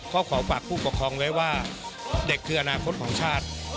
ก็ขอฝากผู้ปกครองไว้ว่าเด็กคืออนาคตของชาติ